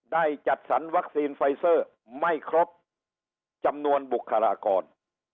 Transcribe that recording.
จัดสรรวัคซีนไฟเซอร์ไม่ครบจำนวนบุคลากร